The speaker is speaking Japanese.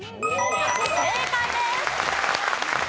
正解です！